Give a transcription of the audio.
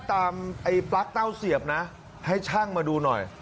ไอ้ปลั๊กเต้าเสียบนะให้ช่างมาดูหน่อย